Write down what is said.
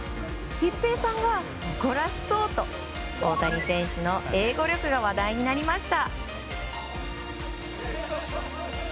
一平さんが誇らしそうと大谷選手の英語力が話題になりました。